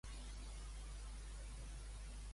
Obre "Outlander" a Netflix.